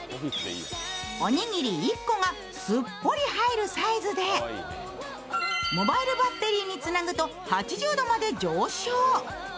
おにぎり１個がすっぽり入るサイズでモバイルバッテリーにつなぐと８０度まで上昇。